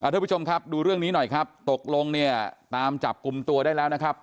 ทุกผู้ชมครับดูเรื่องนี้หน่อยครับตกลงเนี่ยตามจับกลุ่มตัวได้แล้วนะครับ